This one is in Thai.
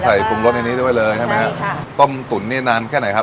ปรุงรสในนี้ด้วยเลยใช่ไหมฮะค่ะต้มตุ๋นนี่นานแค่ไหนครับ